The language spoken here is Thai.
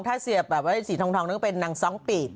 ถ้าเสียบแบบว่าสีทองนั้นก็เป็นนางซ้องปีก